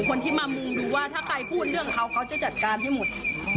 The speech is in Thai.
คนที่มามุงดูว่าถ้าใครพูดเรื่องเขาเขาจะจัดการให้หมด